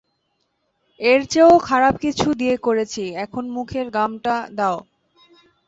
এরচেয়েও খারাপ কিছু দিয়ে করেছি, এখন, মুখের গামটা দাও।